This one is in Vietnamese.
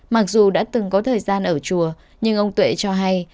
mặc dù đã từng có thời gian ở chùa nhưng ông tuệ cho hay